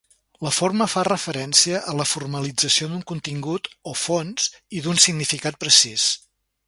La forma fa referència a la formalització d'un contingut, o fons, i d'un significat precís.